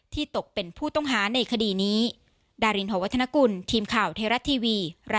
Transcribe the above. ตกเป็นผู้ต้องหาในคดีนี้